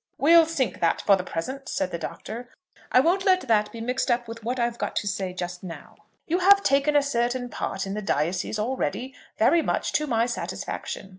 "We'll sink that for the present," said the Doctor. "I won't let that be mixed up with what I have got to say just now. You have taken a certain part in the diocese already, very much to my satisfaction.